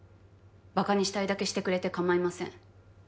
ばかにしたいだけしてくれてかまいません。